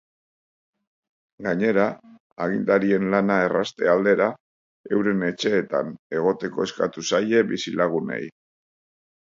Gainera, agintarien lana errazte aldera, euren etxeetan egoteko eskatu zaie bizilagunei.